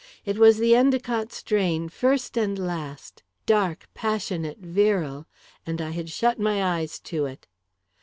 It was the Endicott strain, first and last dark, passionate, virile and I had shut my eyes to it!